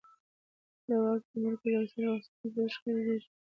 د واک تمرکز اکثره وخت ستونزې او شخړې زیږوي